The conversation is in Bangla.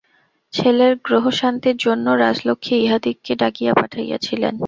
ছেলের গ্রহশান্তির জন্য রাজলক্ষ্মী ইহাদিগকে ডাকিয়া পাঠাইয়াছিলেন।